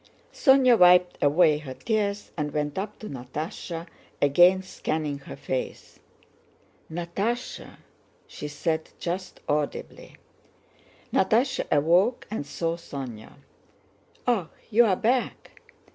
Sónya wiped away her tears and went up to Natásha, again scanning her face. "Natásha!" she said, just audibly. Natásha awoke and saw Sónya. "Ah, you're back?"